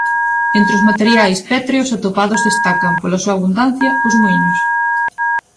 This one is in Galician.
Entre os materiais pétreos atopados destacan, pola súa abundancia, os muíños.